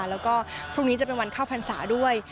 แล้วก็พรุ่งนี้จะเป็นวันเข้าพรรษาด้วย